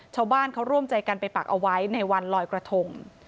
ชาวบ้านเขาร่วมใจกันไปปักเอาไว้ในวันลอยกระทง